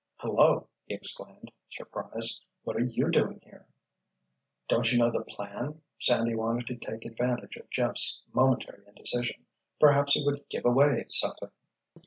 "Hello!" he exclaimed, surprised. "What are you doing here?" "Don't you know the plan?" Sandy wanted to take advantage of Jeff's momentary indecision: perhaps he would "give away" something.